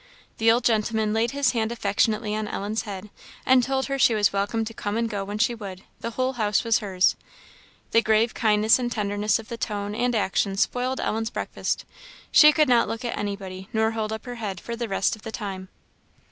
The old gentleman laid his hand affectionately on Ellen's head, and told her she was welcome to come and go when she would the whole house was hers. The grave kindness and tenderness of the tone and action spoiled Ellen's breakfast. She could not look at anybody nor hold up her head for the rest of the time.